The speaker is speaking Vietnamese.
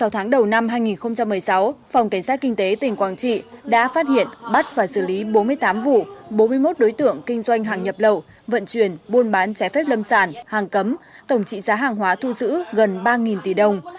tổng trị giá hàng hóa thu giữ gần ba tỷ đồng